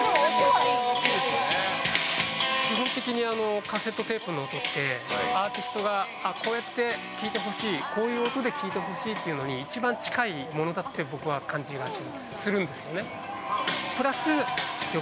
基本的にカセットテープの音ってアーティストが、こうやって聴いてほしい、こういう音で聴いてほしいというのに一番近いものだって、僕は感じがするんですよね。